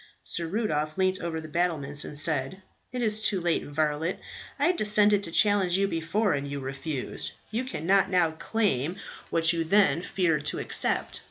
Sir Rudolph leant over the battlements, and said, "It is too late, varlet. I condescended to challenge you before, and you refused. You cannot now claim what you then feared to accept.